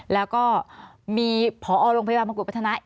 แล้วก็มีผอโรงพยาบาลมงกุฎวัฒนะ